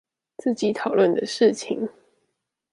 自己討論的事情